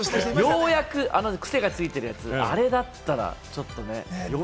ようやくあの癖がついてるやつ、あれだったらちょっとね。